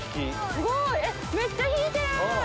すごい！えっめっちゃ引いてる！